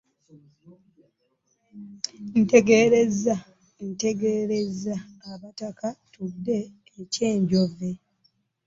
Ntegereza ntegereza, abataka tudde e Kyanjove.